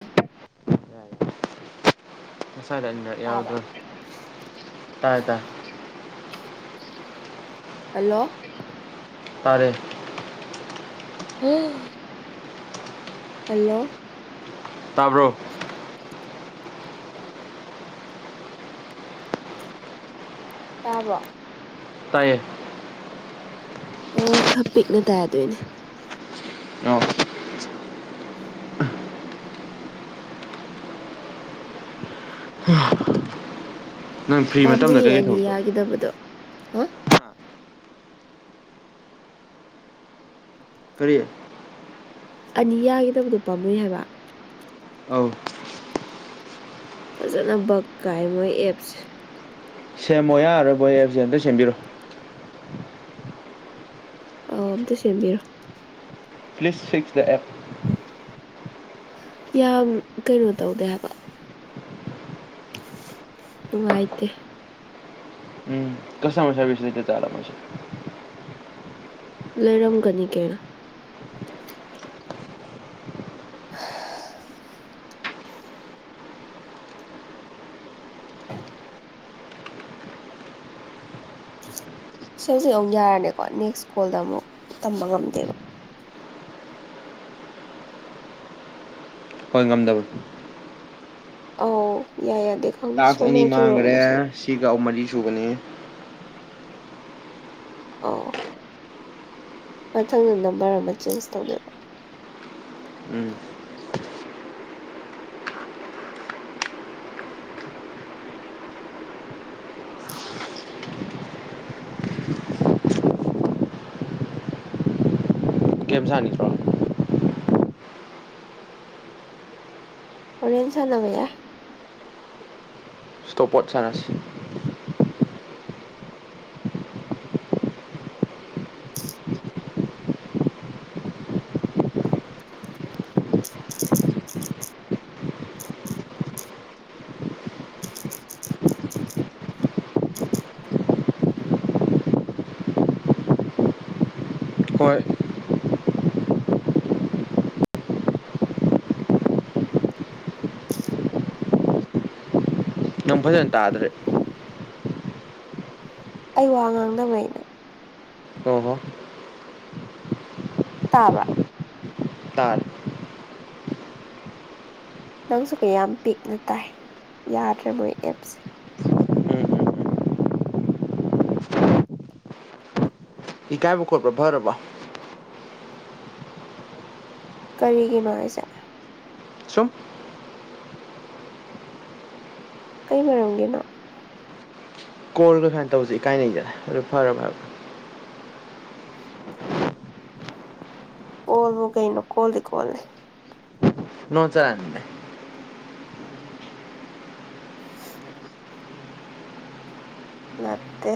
ꯑ ꯍꯁꯂ ꯏꯅ ꯇꯥꯕ꯭ꯔꯥ ꯌꯥꯎꯗꯣ ꯇꯥꯏ ꯇ ꯍꯜꯂꯣ ꯇꯔꯦ ꯍ ꯍꯜꯂꯣ ꯇꯥꯕꯔ꯭ꯔꯣ [unintelligible] ꯇꯥꯕ꯭ꯔꯣ ꯇꯥꯏꯌꯦ ꯑꯣ ꯈꯔ ꯄꯤꯛꯅ ꯇꯥꯗꯣꯏꯅꯦ ꯑ ꯅꯪ ꯐ꯭ꯔꯤ ꯃꯇꯝꯗ ꯄꯥꯝꯃꯨꯌꯦ ꯀꯩꯀꯩ ꯑꯅꯤ ꯊꯕꯛ ꯇꯧ ꯌꯥꯈꯤꯗꯕꯗꯣ ꯍꯥ ꯀꯔꯤ ꯑꯅꯤ ꯌꯥꯒꯗꯕꯗꯣ ꯄꯥꯝꯃꯣꯏ ꯍꯥꯏꯕ ꯑ ꯐꯖꯅ ꯕꯛ ꯀꯥꯏ ꯃꯣꯏ ꯑꯦꯞꯁꯦ ꯁꯦꯝꯃꯣ ꯌꯥꯔꯕꯣꯏ ꯑꯦꯞꯖ ꯑꯝꯇ ꯁꯦꯝꯕꯤꯔꯣ ꯑꯧ ꯑꯝꯇ ꯁꯦꯝꯕꯤꯔꯣ ꯄ꯭ꯂꯤꯁ ꯐꯤꯛꯁ ꯗ ꯑꯦꯞ ꯌꯥꯝ ꯀꯩꯅꯣ ꯇꯧꯗꯦ ꯍꯥꯏꯕ ꯅꯨꯡꯉꯥꯏꯇꯦ ꯎꯝ ꯀꯁ ꯃꯥꯕꯤꯁ ꯆ ꯆꯥꯔ ꯃꯁꯦ ꯂꯩꯔꯝꯒꯅꯤ ꯀꯦꯅ [unintelligible] [unintelligible] ꯁꯤ ꯍꯧꯖꯤꯛ ꯑꯃꯨꯛ ꯌꯥꯔꯅꯤꯀꯣ ꯅꯦꯛꯁ ꯀꯣꯜꯗ ꯑꯃꯨꯛ ꯇꯝꯕ ꯉꯝꯗꯦꯕ ꯍꯣꯏ ꯉꯝꯗꯕ ꯑꯧ ꯌꯥꯏ ꯌꯥꯏꯗꯦ ꯇꯥꯛꯁ ꯑꯅꯤ ꯃꯥꯡꯈꯔꯦ ꯁꯤꯒ ꯑꯍꯨꯝ ꯃꯔꯤ ꯁꯨꯕꯅꯤ ꯑꯥꯎ ꯃꯊꯪꯗ ꯅꯝꯕꯔ ꯑꯃ ꯆꯦꯟꯖ ꯇꯧꯖꯕ ꯎꯝ ꯀꯦꯞ ꯁꯥꯥꯅꯤꯠꯇ꯭ꯔꯣ ꯑꯣꯔꯦꯟꯖꯅꯕ ꯁ꯭ꯇꯣꯞꯄꯣꯠ ꯁꯥꯟꯅꯁꯤ ꯍꯣꯏ ꯎ ꯌꯥꯝ ꯐꯖꯅ ꯇꯥꯗ꯭ꯔꯦ ꯑꯩ ꯋꯥ ꯉꯥꯡꯗꯕꯩ [unintelligible] ꯇꯥꯕ꯭ꯔ ꯇꯔ ꯅꯪꯁꯨ ꯀꯌꯥꯝ ꯄꯤꯛꯅ ꯇꯥꯏ ꯌꯥꯗ꯭ꯔꯦ ꯃꯣꯏ ꯑꯦꯞꯁꯦ ꯎꯝ ꯎꯝ ꯏ ꯀꯥꯏꯕ ꯈꯣꯠꯔꯕꯕꯔꯔꯕ ꯀꯔꯤꯒꯤꯅꯣ ꯍꯥꯏꯁꯦ ꯁꯨꯝ ꯀꯩ ꯃꯔꯝꯒꯤꯅꯣ ꯀꯣꯔꯒ ꯁꯃꯥꯏꯅ ꯇꯧꯁꯦ ꯏꯀꯥꯏꯅꯖꯔꯦ ꯑꯗꯨꯣ ꯐꯔ ꯐꯔ ꯐꯔꯦ [inaudible] ꯑꯣꯜꯕ ꯀꯩꯅꯣ ꯀꯣꯜꯂꯤ ꯀꯣꯜꯂꯦ ꯅꯣꯡ ꯆꯔꯃꯦ ꯅꯠꯇꯦ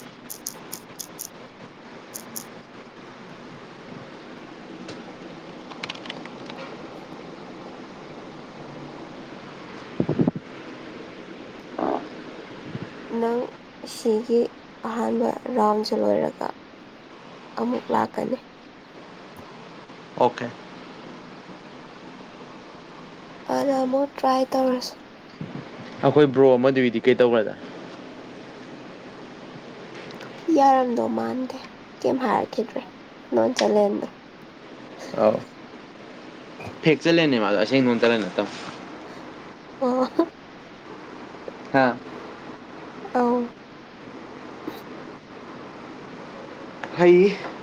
[inaudible] ꯅꯪ ꯁꯤꯒꯤ ꯑꯍꯥꯟꯕ ꯔꯥꯎꯟꯁꯨ ꯂꯣꯏꯔꯒ ꯑꯃꯨꯛ ꯂꯥꯛꯀꯅꯤ ꯑꯣꯀꯦ ꯑꯥꯗ ꯑꯃꯨꯛ ꯇ꯭ꯔꯥꯏ ꯇꯧꯔꯁꯤ ꯑꯩꯈꯣꯏ ꯕ꯭ꯔꯣ ꯑꯃꯗꯨꯏꯗꯤ ꯀꯩꯗꯧꯈ꯭ꯔꯗ ꯌꯥꯔꯝꯗꯧ ꯃꯥꯟꯗ꯭ꯔꯦ ꯀꯩꯝ ꯍꯥꯏꯔꯛꯈꯤꯗ꯭ꯔꯦ ꯅꯣꯟꯆꯂꯦꯟꯇꯅꯦ ꯑꯥꯎ ꯐꯦꯛꯆꯠꯂꯦꯅꯦ ꯃꯥ ꯑꯗꯣ ꯑꯁꯦꯡ ꯅꯣꯡ ꯆꯂ ꯅꯠꯇꯕ ꯑꯣ ꯍꯥ ꯑꯧ ꯍꯩ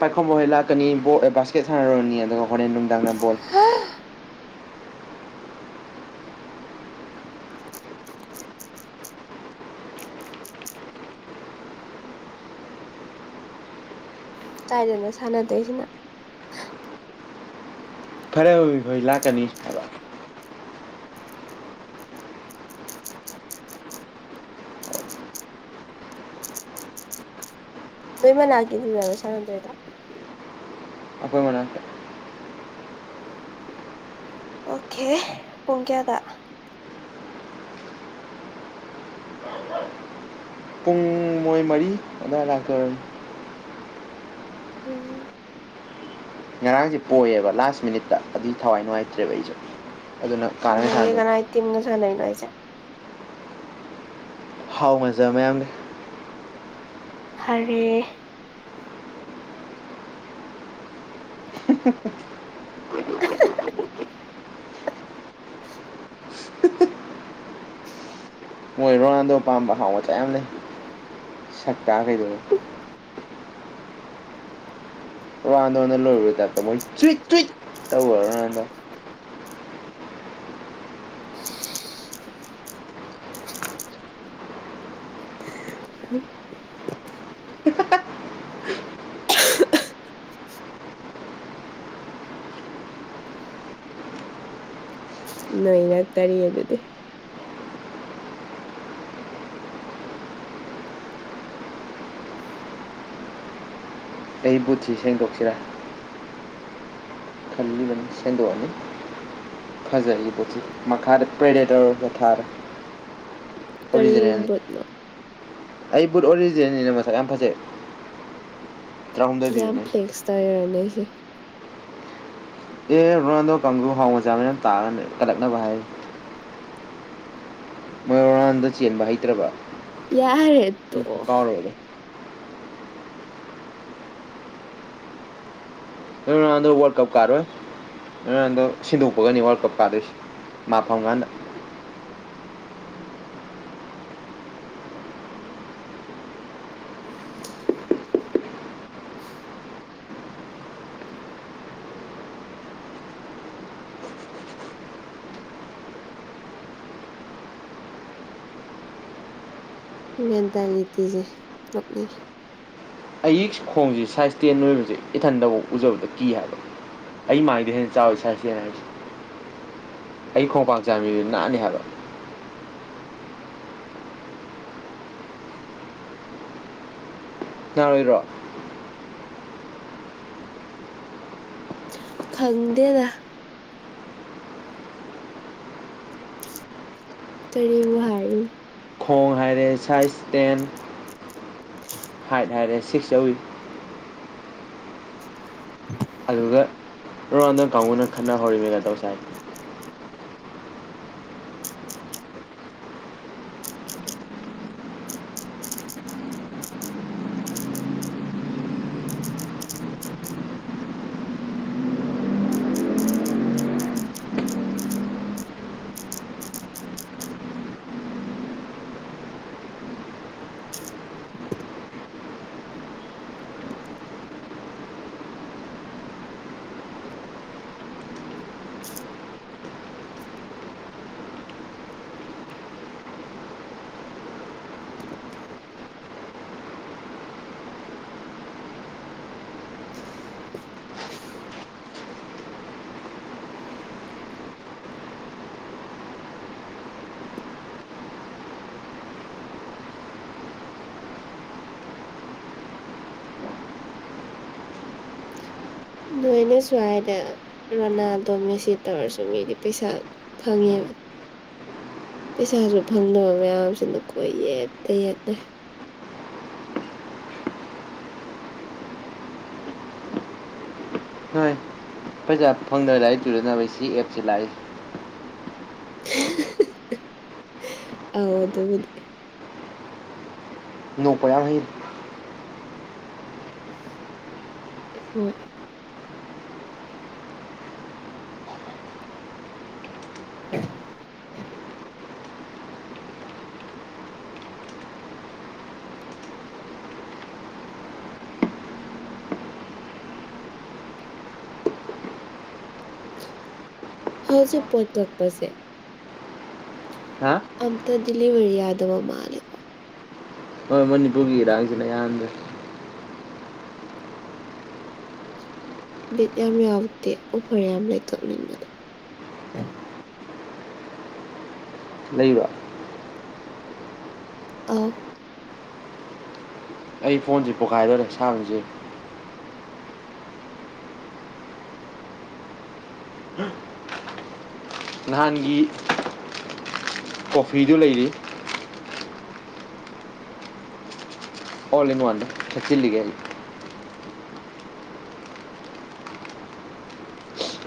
ꯄꯥꯏꯈꯣꯝꯕꯍꯩ ꯂꯥꯛꯀꯅꯤ ꯕꯥꯁꯀꯦꯠ ꯁꯥꯟꯅꯔꯨꯔꯅꯤ ꯑꯗꯨꯒ ꯍꯣꯔꯦꯟ ꯅꯨꯡꯗꯥꯡꯅ ꯕꯣꯜ [inaudible] ꯀꯥꯏꯗꯅꫭ ꯁꯥꯟꯅꯗꯣꯏꯁꯤꯅ ꯐꯔꯦ ꯍꯣꯏ ꯍꯣꯏ ꯂꯥꯛꯀꯅꯤ ꯍꯥꯏ ꯅꯣꯏ ꯃꯅꯥꯛꯀꯤ ꯁꯥꯟꯗꯣꯏꯗꫭ ꯑꯈꯣꯏ ꯃꯅꯇꯦ ꯑꯣꯈꯦ ꯄꯨꯡ ꯀꯌꯥꯗ ꯄꯨꯡ ꯃꯣꯏ ꯃꯔꯤ ꯑꯗꯨꯋꯥꯏ ꯂꯥꯛꯇꫭꯏ ꯑꫭꯏꯔꯝꯅꯤ [inaudible] ꯉꯔꯥꯡꯁꯦ ꯄꯣꯏꯌꯦꯕ ꯂꯥꯁ ꯃꯤꯅꯤꯠꯇ ꯑꯗꯨ ꯊꯋꯥꯏ ꯅꯨꯡꯉꯥꯏꯇ꯭ꯔꯦꯕ ꯑꯩꯁꯦ ꯅꯣꯏꯒ ꯀꯅꯥꯏ ꯇꯤꯝ ꯒꯥ ꯁꯥꯅꯩꯅꫭ ꯍꯥꯏꯁꯦ [unintelligible] ꯍꯔꯦꯟ [unintelligible] [unintelligible] ꯃꯣꯏ ꯔꯣꯅꯥꯜꯗꯣ ꯄꯥꯝꯕ ꯍꯥꯎ ꯃꯆꯥ ꯌꯥꯝ ꯂꯩ ꯁꯛ ꯀꯥꯈꯩꯗꯅꯤ ꯔꫭꯋꯥꯟꯗꫭꯅ‌ ꯂꯣꯏꯕꯩ ꯇꯥꯏꯞꯇ ꯃꯣꯏ ꯆꯨꯏꯠ ꯆꯨꯏꯠ ꯇꯧꯔ ꯅꯥꯟꯗ [inaudible] [unintelligible] [unintelligible] ꯑꯩ ꯕꯨꯊꯤ ꯁꯦꯡꯗꯣꯛꯁꯤꯔꯥ [unintelligible] ꯐꯖꯒꯤ ꯄꯣꯠꯁꯤ ꯃꯈꯥꯗ ꯄꯦꯔꯦ ꯇꯧꯔꯒ ꯊꯥꯔꯦ ꯀꯔꯤ ꯑꯣꯔꯤꯖꯤꯅꯦꯜꯅꯤ ꯕꯨꯠꯅꯣ ꯑꯩ ꯕꯨꯠ ꯑꯣꯔꯤꯖꯤꯅꯦꯜꯅꯤꯅ ꯃꯁꯛ ꯌꯥꯝ ꯐꯖꯩ ꯇꯔꯥꯍꯨꯝꯗꯣꯏ ꯌꯥꯝ ꯄꯤꯕꯅꯦ ꯐ꯭ꯂꯦꯛꯁ ꯇꯧꯔꯅꯦ ꯑꯩꯁꯦ ꯑꯦ ꯔꯣꯅꯥꯜꯗꯣ ꯀꯥꯡꯒ ꯍꯥꯎ ꯃꯆꯥ ꯃꯌꯥꯝ ꯇꯥꯛꯑꯒꯅ ꯀꯠꯂꯛꯅꯕ ꯍꯥꯏ ꯃꯣꯏ ꯔꯥꯎꯗꫭ ꯆꯦꯟꯕ ꯍꯩꯇ꯭ꯔꯕ ꯌꯔꯤ ꯇꯣꯛꯀꯦ ꯀꯥꯎꯔꯦꯗ ꯅꯣꯏ ꯔꯣꯅꯥꯟꯗꫭ ꯋꯥꯜ꯭ꯔ ꯀꯞ ꯀꯥꯔꯣꯏ ꯅꯗꯣ ꯁꯤꯟꯗꯣꯛꯄꯒꯅꯤ ꯋꯥꯔꯜ ꯀꯞ ꯀꯥꯗꯣꯏꯁ ꯃꯥꯐꯝ ꯀꯥꯟꯗ ꯎ [unintelligible] ꯑꯌꯛ ꯈꯣꯡꯁꯤꯦ ꯁꯥꯏꯖ ꯇꯦꯟ ꯑꯣꯏꯕꯁꯦ ꯏꯊꯟꯗꯐꯥꯎ ꯎꯖꯕꯗ ꯀꯤ ꯍꯥꯏꯕ ꯑꯩ ꯃꯥꯏꯗ ꯍꯦꯟꯅ ꯆꯥꯎ ꯁꯥꯁꯤꯦꯅ ꯍꯥꯏꯁ ꯑꯩ ꯈꯣꯡꯄꯥꯛꯥꯡ ꯆꯥꯝꯃꯤꯗꯨ ꯅꯥꯑꯅꯤ ꯍꯥꯏꯕ [inaudible] ꯈꯪꯗꯦꯗꯥ ꯀꯔꯤ ꯍꯥꯏꯔ ꯈꯣꯡ ꯍꯥꯏꯔꯦ ꯁꯥꯏꯖ ꯇꯦꯟ [unintelligible] ꯍꯥꯏꯠ ꯍꯥꯏꯔꯦ ꯁꯤꯛꯁ ꯆꯧꯋꯤ [inaudible] ꯑꯗꯨꯒ ꯔ ꯔꯥꯎꯟꯗꯔ ꯀꯥꯡꯕꯨꯅ ꯈꯠꯅ ꯍꯧꯔꯤꯃꯦꯒ ꯇꯧꯁꯥꯏ ꯅꯣꯏꯅ ꯁ꯭ꯋꯥꯏꯗ ꯔꯣꯅꯥꯜꯗꯣ ꯃꯦꯁꯦꯖ ꯇꯧꯔꯁꯨ ꯃꯤꯗꯤ ꯄꯩꯁꯥ ꯐꯪꯉꯦꯕ ꯄꯩꯁꯥꯁꯨ ꯐꯪꯗꯕ ꯃꯌꯥꯝꯁꯤꯅ ꯀꯣꯏꯌꯦꯛꯇ ꯌꯦꯠꯅꯩ ꯍꯣꯏ ꯄꯩꯁꯥ ꯐꯪꯗꯕ ꯂꯥꯏꯔꯤꯛ ꯇꯔꯅꯕ ꯑꯩ ꯁꯤ ꯑꯦꯞꯁꯤ ꯂꯥꯛꯏꯁꯦ ꯑꯣꯏ ꯑꯗꯨꯕꯨꯗꯤ ꯅꯣꯛ ꯄꯥꯌꯥꯝ ꯍꯩ ꯍꯣꯏ [inaudible] ꯍꯧꯖꯤꯛ ꯄꫭꯠ ꯀꯛꯄꯁꯦ ꯍꯥ ꯑꯝꯇ ꯗꯤꯂꯤꯕꯔꯤ ꯌꯥꯗꯕ ꯃꯥꯜꯂꯦ ꯍꯣꯏ ꯃꯅꯤꯄꯨꯔꯒꯤ ꯏꯔꯥꯡꯁꯤꯅ ꯏꯍꯥꯟꯗꯦ ꯕꯤꯠ ꯌꯥꯝ ꯌꯥꯎꯗꯦ ꯑꯣꯐꯔ ꯌꯥꯝ ꯂꯩ ꯀꯛꯅꯤꯡꯕꯅꯦ ꯂꯩꯍꯨꯕꯥ ꯑꯧ ꯑꯩ ꯐꯣꯟꯁꯦ ꯄꯣꯛꯈꯥꯏꯗꯧꯔꯦ ꯁꯥꯕꯁꯦ ꯅꯍꯥꯟꯒꯤ ꯀꯣꯐꯤꯗꯨ ꯂꯩꯔꯤ ꯑꯣꯜ ꯏꯟ ꯋꯥꯟ ꯆꯤꯜꯂꯤꯒꯦ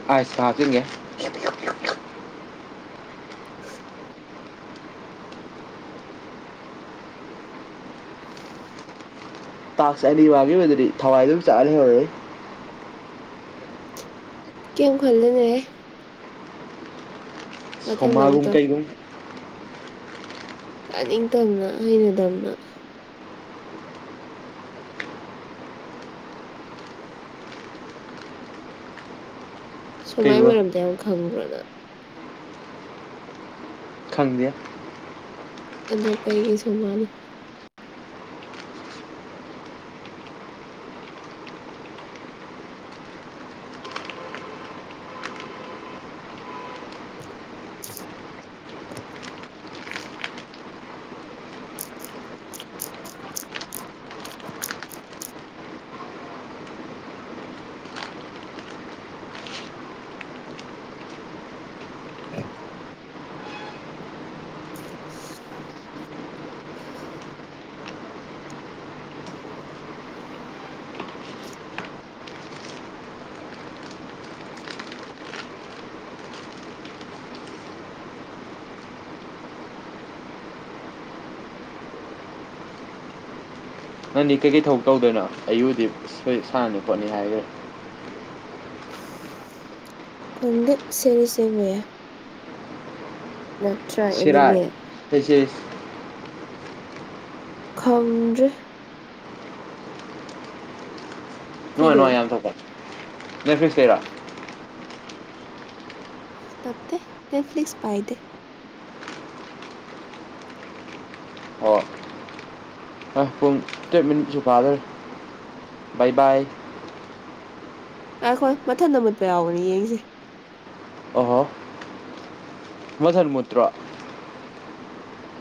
[unintelligible] [unintelligible] [inaudible] ꯇꯥꯛꯁ ꯑꯅꯤꯕꯥꯒꯤ ꯑꯣꯏꯅꯗꯗꯤ ꯊꯋꯥꯏ ꯑꯗꯨꯝ ꯆꯥꯛꯂ ꯂꯩ ꯍꯧꯔꯦ [unintelligible] ꯃꯊꯪꯗ ꯑꯃꯨꯛ ꯇꯧ ꯁꯣꯃꯥꯒꯨꯝꯀꯩꯒꯨꯝ ꯆꯥꯅꯤꯡꯇꯝꯅ ꯍꯩꯅ ꯇꯝꯅ ꯁꯨꯃꯥꯏ ꯀꯩꯕꯨ ꯃꯔꯝꯗ ꯌꯥꯝ ꯈꯪꯕ꯭ꯔꯣꯅ ꯈꯪꯗꯦ ꯑꯗꯣ ꯀꯩꯀꯩ ꯁꯣ ꯃꯥꯅ [inaudible] [inaudible] [inaudible] ꯅꯪꯗꯤ ꯀꯩꯀꯩ ꯊꯕꯛ ꯇꯧꯗꯣꯏꯅꯣ ꯑꯌꯨꯗꯤ ꯁꯣꯏ ꯁꯥꯟꯅꯅꯤ ꯈꯣꯠꯅꯤ ꯍꯥꯏꯈ꯭ꯔꯦ ꯈꯪꯗꯦ ꯁꯦꯔꯤ ꯌꯦꯡꯕ ꯌꯥꯏ ꯅꯠꯇ꯭ꯔ ꯁꯤꯔꯥꯏ ꯑꯦꯅꯤꯃꯦ [unintelligible] ꯈꯪꯗ꯭ꯔꯦ ꯅꯨꯡꯉꯥꯏ ꯅꯨꯡꯉꯥꯏ ꯊꯤꯗꯣꯏꯅꯦ ꯌꯥꯝ ꯊꯣꯛꯄ ꯅꯦꯐ꯭ꯔꯤꯁ ꯇꯩꯔꫭ ꯅꯠꯇꯦ ꯅꯦꯠꯐ꯭ꯂꯛꯁ ꯄꯥꯏꯗꯦ ꯑ ꯄꯨꯡ ꯇꯔꯦꯠ ꯃꯤꯅꯤꯠꯁꯨ ꯐꯥꯗ꯭ꯔꯦ ꯕꯥꯏ ꯕꯥꯏ ꯉꯥꯏꯈꯣꯍꯦ ꯃꯊꯟꯗ ꯃꯨꯠꯄ ꯌꯥꯎꯕꯅꯤ ꯌꯦꯡꯁꯦ ꯑꯣꯍꯣ ꯃꯙꯟ ꯃꯨꯇ꯭ꯔꯣ